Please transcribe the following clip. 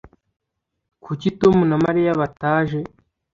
Kuki Tom na Mariya bataje